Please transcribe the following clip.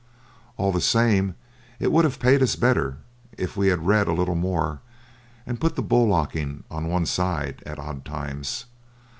All the same, it would have paid us better if we'd read a little more and put the 'bullocking' on one side, at odd times.